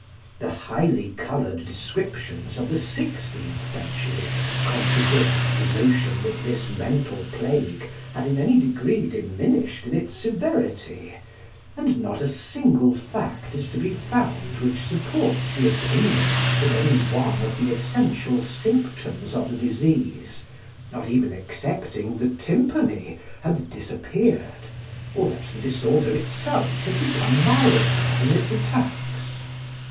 The highly coloured descriptions of the sixteenth century contradict the notion that this mental plague had in any degree diminished in its severity, and not a single fact is to be found which supports the opinion that any one of the essential symptoms of the disease, not even excepting the tympany, had disappeared, or that the disorder itself had become milder in its attacks.